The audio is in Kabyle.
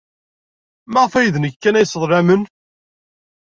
Maɣef d nekk kan ay sseḍlamen?